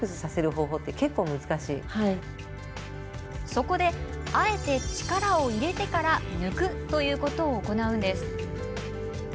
そこで、あえて力を入れてから抜くということを行うんです。